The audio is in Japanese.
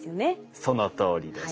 そのとおりです。